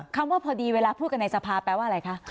ว่าพอดีเวลาพูดกันในสภาแปลว่าอะไรคะ